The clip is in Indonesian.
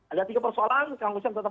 ada tiga persoalan kang ujang tetap